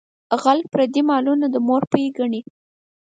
غل پردي مالونه د مور پۍ ګڼي.